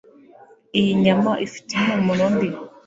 Iyi nyama ifite impumuro mbi